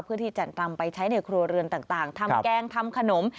เพื่อที่จะนำไปใช้ในครัวเรือนต่างทำแกงทำขนม